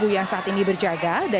yang saat ini berjaga